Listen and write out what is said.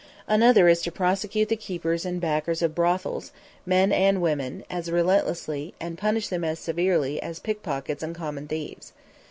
Another is to prosecute the keepers and backers of brothels, men and women, as relentlessly and punish them as severely as pickpockets and common thieves.